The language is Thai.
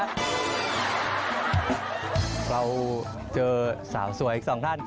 เราเจอสาวสวยอีกสองท่าน